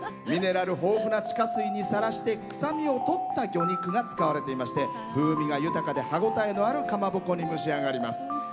ミネラル豊富な地下水にさらして臭みをとった魚肉が使われていまして風味が豊かで歯応えのあるかまぼこに蒸しあがります。